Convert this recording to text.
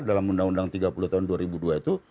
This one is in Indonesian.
dalam undang undang tiga puluh tahun dua ribu dua itu